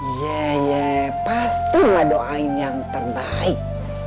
iya iya pasti lah doain yang terbaik